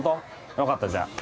よかったじゃあ。